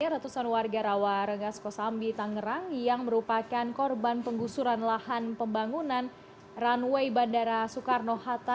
ratusan warga rawa rengas kosambi tangerang yang merupakan korban penggusuran lahan pembangunan runway bandara soekarno hatta